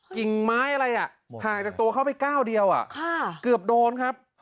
กิ่งไม้อะไรอ่ะห่างจากตัวเข้าไปก้าวเดียวเกือบโดนครับ